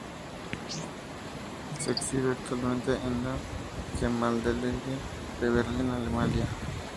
Se exhibe actualmente en la Gemäldegalerie de Berlín, Alemania.